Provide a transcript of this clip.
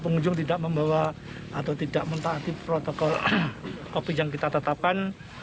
pengunjung tidak membawa atau tidak mentaati protokol covid yang kita tetapkan